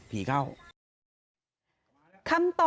พระต่ายสวดมนต์